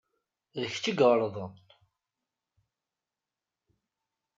D kečč i iɣelḍen